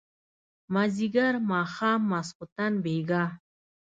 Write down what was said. مازيګر ماښام ماسخوتن بېګا